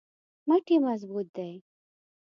مټ یې مضبوط دی.